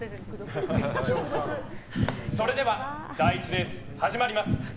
それでは第１レース始まります。